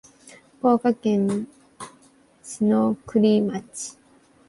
福岡県篠栗町